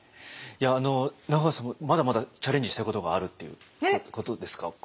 いや中川さんもまだまだチャレンジしたいことがあるっていうことですか？